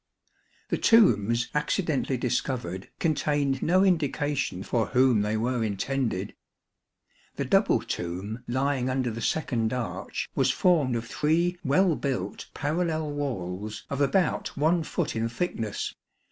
The tombs accidentally discovered contained no indication for whom they were intended. The double tomb lying under the second arch was formed of three well built parallel walls of about 1 foot in thickness.